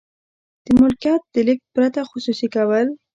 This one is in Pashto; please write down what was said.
د ملکیت د لیږد پرته خصوصي کول.